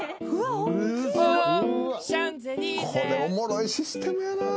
これおもろいシステムやな。